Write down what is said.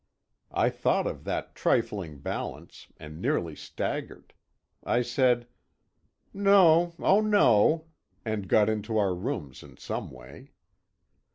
I thought of that trifling balance, and nearly staggered. I said, "No, oh no!" and got into our rooms in some way.